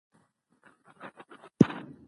احمد شاه بابا د ولس غوښتنو ته درناوی کاوه.